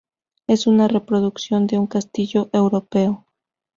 Es una reproducción de un castillo europeo.